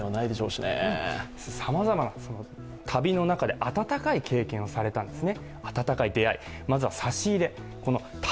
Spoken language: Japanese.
さまざまな旅の中で温かい経験をされたんですね。